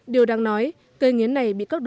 điều đáng nói cây nghiến này bị các đối tượng